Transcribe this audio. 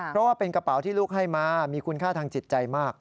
เพราะว่าเป็นกระเป๋าที่ลูกให้มามีคุณค่าทางจิตใจมาก